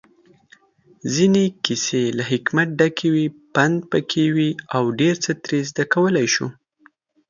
ځينې کيسې له حکمت ډکې وي، پندپکې وي اوډيرڅه ترې زده کولی شو